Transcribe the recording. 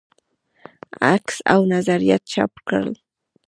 عکس او نظریات چاپ کړل.